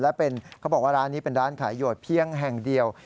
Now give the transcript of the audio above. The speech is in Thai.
และเขาบอกว่าร้านนี้เป็นร้านขายโหดเพียงแห่งเดียว